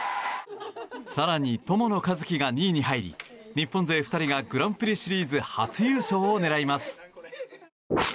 更に、友野一希が２位に入り日本勢２人がグランプリシリーズ初優勝を狙います。